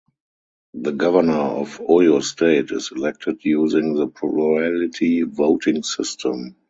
The Governor of Oyo State is elected using the plurality voting system.